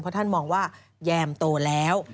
เพราะท่านมองว่าแยมโตแล้ว